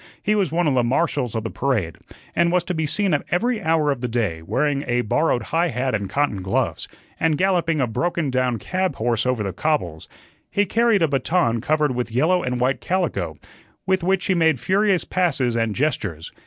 He was one of the marshals of the parade, and was to be seen at every hour of the day, wearing a borrowed high hat and cotton gloves, and galloping a broken down cab horse over the cobbles. He carried a baton covered with yellow and white calico, with which he made furious passes and gestures.